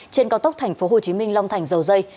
trên cao tốc tp hcm long thành dầu dây